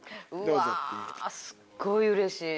うわすっごいうれしい。